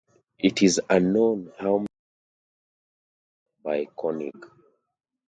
It is unknown how many were built by Koenig.